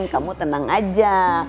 kamu tenang aja